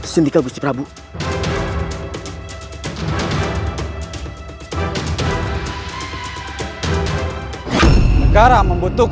ternyata gusti ratu kentering manik